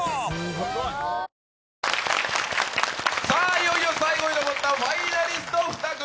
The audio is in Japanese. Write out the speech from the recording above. いよいよ最後に残ったファイナリスト２組。